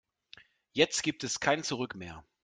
Jetzt gibt es kein Zurück mehr.